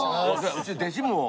うち弟子も。